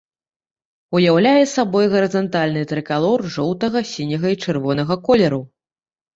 Уяўляе сабой гарызантальны трыкалор жоўтага, сіняга і чырвонага колераў.